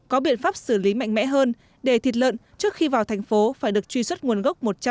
có biện pháp xử lý mạnh mẽ hơn để thịt lợn trước khi vào thành phố phải được truy xuất nguồn gốc một trăm linh